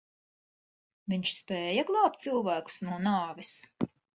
Viņš spēja glābt cilvēkus no nāves?